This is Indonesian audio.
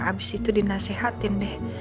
abis itu dinasehatin deh